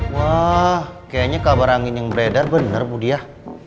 wah kayaknya kabar angin yang beredar bener budiah